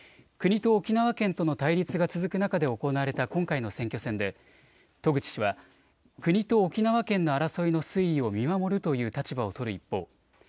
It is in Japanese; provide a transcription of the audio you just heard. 国と沖縄県との対立が続く中で行われた今回の選挙戦で渡具知氏は国と沖縄県の争いの推移を見守るという立場を取る一方